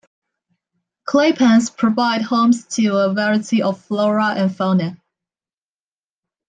Claypans provide homes to a variety of flora and fauna.